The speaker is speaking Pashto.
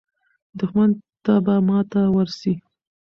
دښمن ته به ماته ورسي.